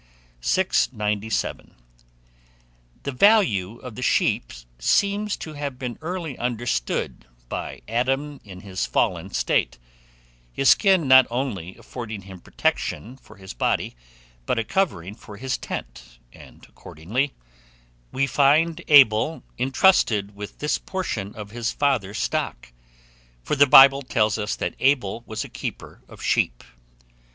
697. THE VALUE OF THE SHEEP seems to have been early understood by Adam in his fallen state; his skin not only affording him protection for his body, but a covering for his tent; and accordingly, we find Abel intrusted with this portion of his father's stock; for the Bible tells us that "Abel was a keeper of sheep."